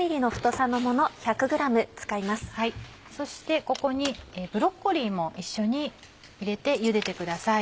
そしてここにブロッコリーも一緒に入れてゆでてください。